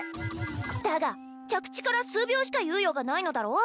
だが着地から数秒しか猶予がないのだろう？